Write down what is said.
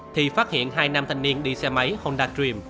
thì phát hiện hai nam thanh niên đi xe máy honda dream